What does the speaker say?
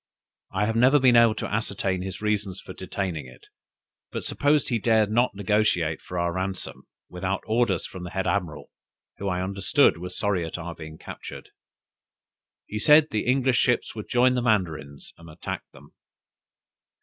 I have never been able to ascertain his reasons for detaining it, but suppose he dared not negociate for our ransom without orders from the head admiral, who I understood was sorry at our being captured. He said the English ships would join the Mandarins and attack them."